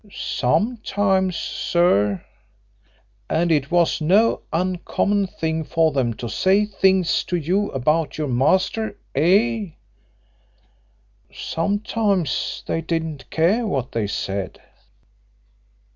"Sometimes, sir." "And it was no uncommon thing for them to say things to you about your master, eh?" "Sometimes they didn't care what they said."